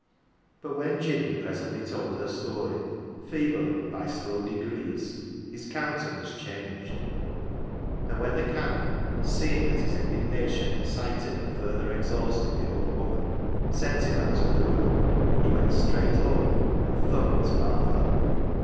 But when Jinny presently told her story, feebly and by slow degrees, his countenance changed ; and when the Canon, seeing that his indignation excited and further exhausted the old woman, sent him out of the room, he went straight home and thumped Martha.